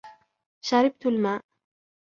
شربت الماء.